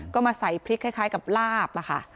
ก็มาใส่พริกคล้ายกับลาบค่ะ